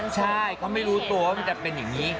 ใช่เขาไม่รู้ตัวว่ามันจะเป็นอย่างนี้